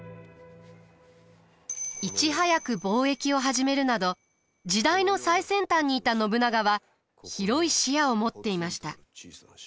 いち早く貿易を始めるなど時代の最先端にいた信長は広い視野を持っていました。